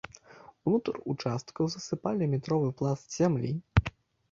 Унутр участкаў засыпалі метровы пласт зямлі.